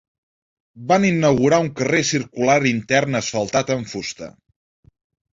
Van inaugurar un carrer circular intern asfaltat amb fusta.